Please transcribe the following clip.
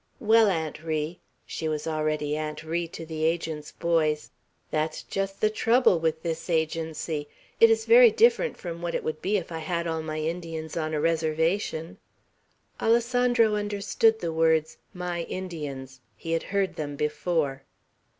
"Well, Aunt Ri," she was already "Aunt Ri" to the Agent's boys, "that's just the trouble with this Agency. It is very different from what it would be if I had all my Indians on a reservation." Alessandro understood the words "my Indians." He had heard them before.